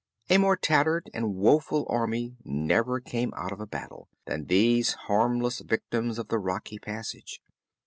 A more tattered and woeful army never came out of a battle, than these harmless victims of the rocky passage.